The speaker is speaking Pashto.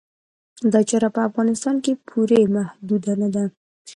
دا چاره په افغانستان پورې محدوده نه ده.